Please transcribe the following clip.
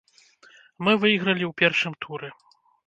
Мы выйгралі ў першым туры.